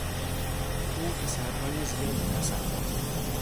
او پسرهای زیادی پس انداخت.